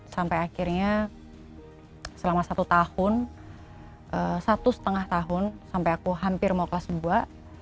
sampai akhirnya selama satu tahun satu setengah tahun sampai aku hampir mau kelas dua